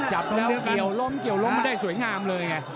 จับแล้วเกี่ยวล้มเกี่ยวล้มได้สวยงามเลยไง